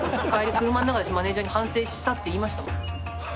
帰り車の中でマネージャーに反省したって言いましたもん。